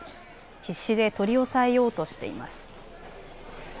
必死で取り押さえようとしています。